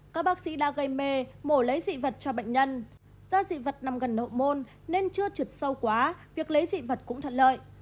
các bác sĩ đã gây mê mổ lấy dị vật cho bệnh nhân do dị vật nằm gần nội môn nên chưa trượt sâu quá việc lấy dị vật cũng thuận lợi